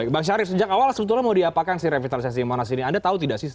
bang syarif sejak awal sebetulnya mau diapakan sih revitalisasi monas ini anda tahu tidak sih